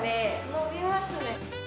伸びますね。